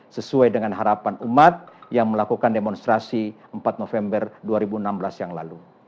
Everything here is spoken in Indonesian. sesuai dengan harapan umat yang melakukan demonstrasi empat november dua ribu enam belas yang lalu